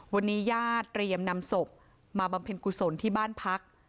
วันนี้ญาติเตรียมนำศพมาบำเพ็ญกุศลที่บ้านพัก